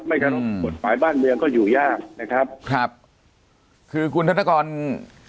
ไม่ควรฝ่ายบ้านเมืองก็อยู่ยากนะครับครับคือคุณธรรมกรมองว่า